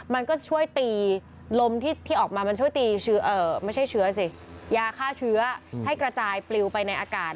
มันก็ช่วยตีลมที่ออกมามันช่วยตียาฆ่าเชื้อให้กระจายปลิวไปในอากาศ